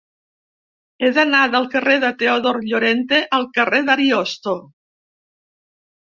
He d'anar del carrer de Teodor Llorente al carrer d'Ariosto.